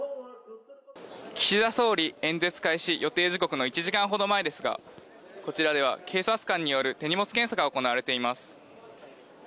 岸田総理演説開始予定時刻の１時間ほど前ですがこちらでは警察官による手荷物検査が行われています。